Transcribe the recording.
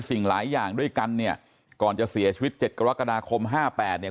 สิ่งหลายอย่างด้วยกันเนี่ยก่อนจะเสียชีวิตเจ็ดกรกฎาคมห้าแปดเนี่ย